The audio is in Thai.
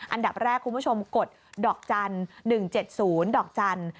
อันดับแรกคุณผู้ชมกดดอกจันทร์๑๗๐ดอกจันทร์